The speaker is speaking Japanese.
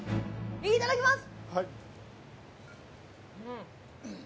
いただきます！